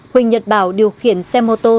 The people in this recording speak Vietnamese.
huỳnh nhật bảo điều khiển xe mô tô